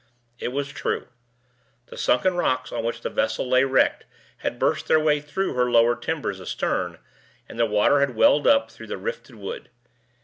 It was true. The sunken rocks on which the vessel lay wrecked had burst their way through her lower timbers astern, and the water had welled up through the rifted wood.